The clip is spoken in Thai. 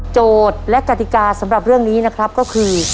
และกติกาสำหรับเรื่องนี้นะครับก็คือ